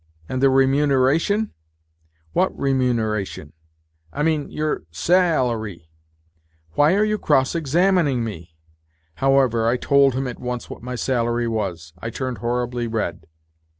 " And the remuneration ?"" What remuneration ?" "I mean, your sa a lary ?"" Why are you cross examining me ?" However, I told him at once what my salary was. I turned horribly red.